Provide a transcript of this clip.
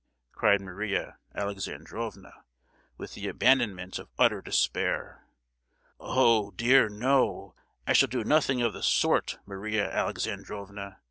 cried Maria Alexandrovna, with the abandonment of utter despair. "Oh, dear no! I shall do nothing of the sort, Maria Alexandrovna!